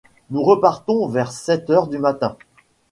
Nous repartons vers sept heures du matin.